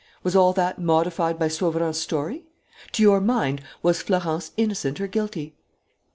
Was all that modified by Sauverand's story? To your mind, was Florence innocent or guilty?"